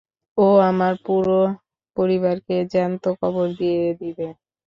ও আমার পুরো পরিবারকে জ্যান্ত কবর দিয়ে দিবে।